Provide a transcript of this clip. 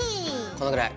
このぐらい。